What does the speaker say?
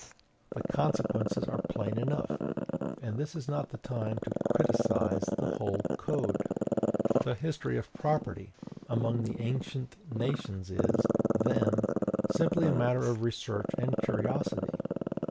The consequences are plain enough, and this is not the time to criticise the whole Code. The history of property among the ancient nations is, then, simply a matter of research and curiosity.